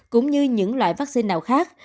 cũng như những loại vaccine nào khác